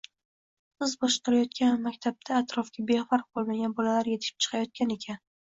– Siz boshqarayotgan maktabda atrofga befarq bo‘lmagan bolalar yetishib chiqayotgan ekan